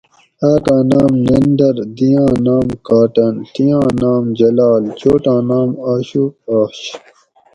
آکاں نام ننڈر دیاں نام کاٹن ڷی آن نام جلال چوٹاں نام آشوک آش